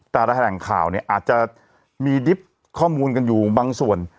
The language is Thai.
แต่ละแห่งข่าวเนี่ยอาจจะมีดิบข้อมูลกันอยู่บางส่วน